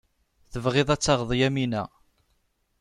Tebɣiḍ ad taɣeḍ Yamina.